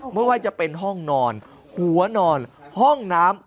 มึงไหว้จะเป็นห้องนอนหัวนอนห้องน้ำ